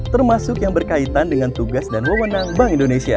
termasuk yang berkaitan dengan tugas dan wewenang bank indonesia